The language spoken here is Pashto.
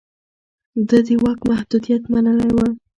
ده د واک محدوديت منلی و.